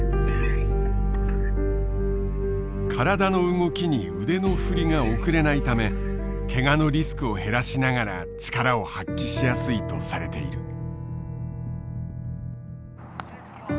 体の動きに腕の振りが遅れないためけがのリスクを減らしながら力を発揮しやすいとされている。